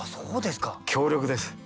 強力です。